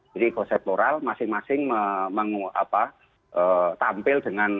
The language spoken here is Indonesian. jadi ekosektoral masing masing tampil dengan